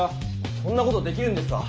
そんな事できるんですか？